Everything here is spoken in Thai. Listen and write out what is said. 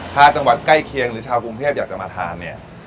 ถ้าจังหวัดใกล้เคียงหรือชาวกรุงเทพอยากจะมาทานเนี่ย